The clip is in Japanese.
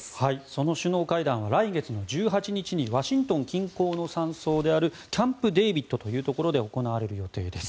その首脳会談は来月の１８日にワシントン近郊の山荘であるキャンプデービッドというところで行われる予定です。